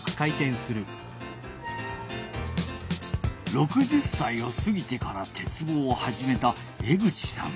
６０歳をすぎてから鉄棒をはじめた江口さん。